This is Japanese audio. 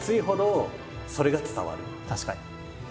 確かに。